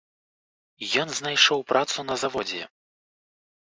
Ён знайшоў працу на заводзе.